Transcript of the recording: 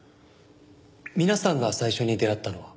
皆さんが最初に出会ったのは？